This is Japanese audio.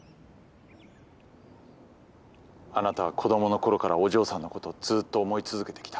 あなたは子供のころからお嬢さんのことをずーっと思い続けてきた。